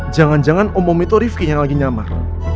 jangan jangan om om itu rifki yang lagi nyamah